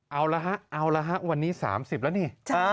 เอาละฮะเอาละฮะวันนี้๓๐แล้วนี่